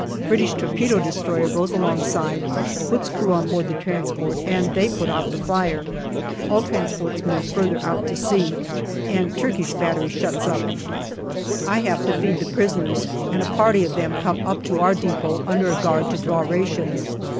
British torpedo destroyer goes alongside, puts crew on board the transport, and they put out the fire. All transports move further out to sea, and Turkish battery shuts up. I have to feed the prisoners, and a party of them come up to our depot under a guard to draw rations.